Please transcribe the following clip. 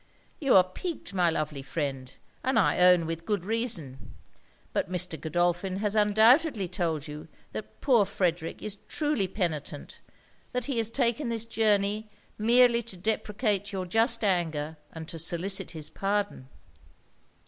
'You are piqued, my lovely friend; and I own with great reason. But Mr. Godolphin has undoubtedly told you that poor Frederic is truly penitent; that he has taken this journey merely to deprecate your just anger and to solicit his pardon.